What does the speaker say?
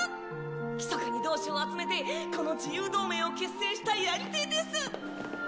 ひそかに同志を集めてこの自由同盟を結成したやり手です！